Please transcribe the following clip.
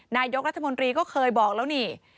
นายกรัฐมนตรีก็เคยบอกแล้วนี่